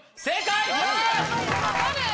正解！